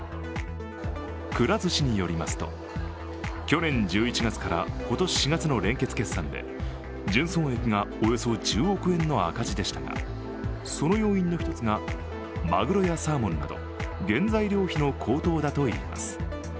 くら寿司によりますと、去年１１月から今年４月の連結決算で純損益がおよそ１０億円の赤字でしたがその要因の一つがまぐろやサーモンなど原材料費の高騰だといいます。